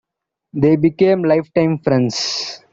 They became lifetime friends.